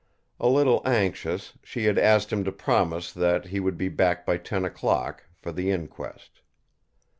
A little anxious, she had asked him to promise that he would be back by ten o'clock, for the inquest.